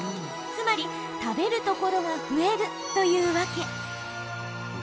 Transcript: つまり、食べるところが増えるというわけ。